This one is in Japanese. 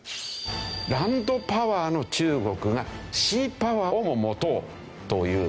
ランドパワーの中国がシーパワーをも持とうという。